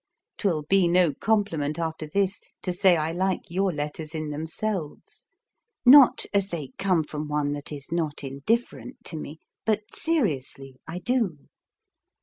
'Twill be no compliment after this to say I like your letters in themselves; not as they come from one that is not indifferent to me, but, seriously, I do.